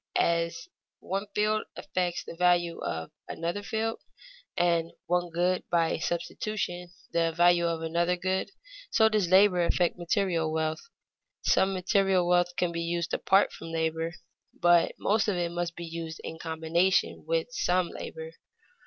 As one field affects the value of another field, and one good, by substitution, the value of another good, so does labor affect material wealth. Some material wealth can be used apart from labor, but most of it must be used in combination with some labor.